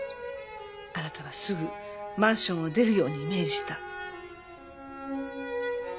あなたはすぐマンションを出るように命じた。